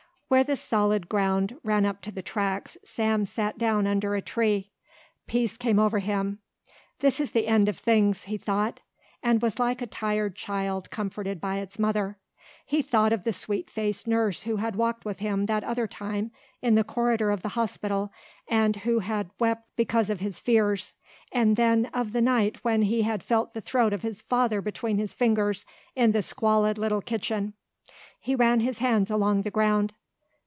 Where the solid ground ran up to the tracks Sam sat down under a tree. Peace came over him. "This is the end of things," he thought, and was like a tired child comforted by its mother. He thought of the sweet faced nurse who had walked with him that other time in the corridor of the hospital and who had wept because of his fears, and then of the night when he had felt the throat of his father between his fingers in the squalid little kitchen. He ran his hands along the ground.